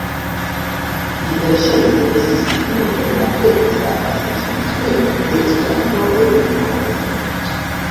Li verŝajne estis unu el la plej konstantaj instruistoj de Esperanto en Kolombio.